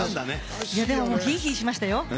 でもひーひーしましたよ。